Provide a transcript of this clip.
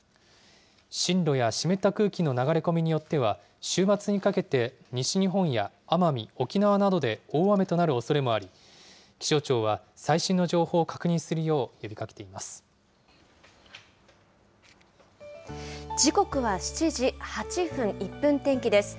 進路や湿った空気の流れ込みによっては、週末にかけて西日本や奄美、沖縄などで大雨となるおそれもあり、気象庁は最新の情報を確認す時刻は７時８分、１分天気です。